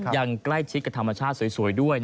ยังใกล้ชิดกับธรรมชาติสวยด้วย